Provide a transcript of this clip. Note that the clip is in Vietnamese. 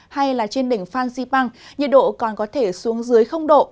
hay là trên đỉnh phan xipang nhiệt độ còn có thể xuống dưới độ